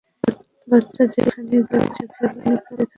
বাচ্চা সেখানে গিয়ে চোখের পানি ফেলে কাঁদতে থাকে।